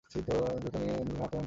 জুতা দিয়ে নিজেকে মারতে মন চাচ্ছে।